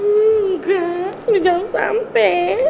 enggak udah jangan sampe